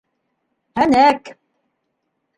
Һәнәк!